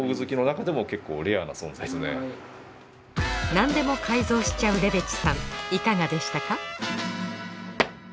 なんでも改造しちゃうレベチさんいかがでしたか？